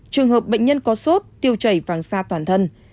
trường hợp bệnh nhân có sốt tiêu chảy vàng xa toàn thân